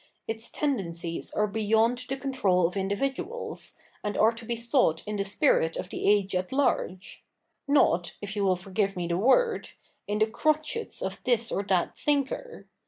Its tendencies are beyond the control of individuals, and are to be sought in the spirit of the age at large, — not — if you will forgive me the word — in the crotchets of this 96 THE NEW REPUBLIC [bk. ii or that thinker.